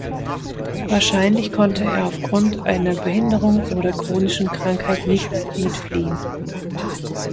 Wahrscheinlich konnte er auf Grund einer Behinderung oder chronischen Krankheit nicht mit fliehen.